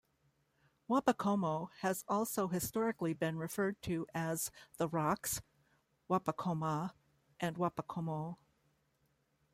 Wappocomo has also historically been referred to as The Rocks, Wapocoma, and Wapocomo.